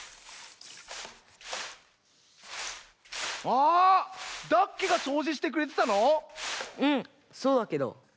あダッケがそうじしてくれてたの⁉うんそうだけど。